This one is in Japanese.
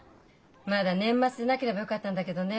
まだ年末でなければよかったんだけどね。